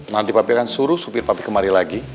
nanti papi akan suruh supir papi kemari lagi